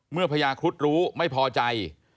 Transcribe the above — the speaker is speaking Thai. เมื่อพญาครุฑรู้ไม่พอใจ